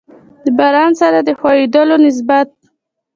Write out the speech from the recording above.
د باران سره د خوييدلو نسبت